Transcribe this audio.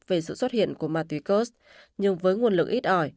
về sự xuất hiện của ma túy kurz nhưng với nguồn lực ít ỏi